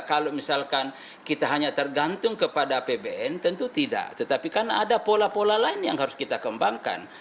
kalau misalkan kita hanya tergantung kepada apbn tentu tidak tetapi kan ada pola pola lain yang harus kita kembangkan